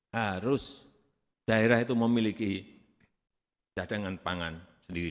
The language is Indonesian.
harus daerah itu memiliki cadangan pangan sendiri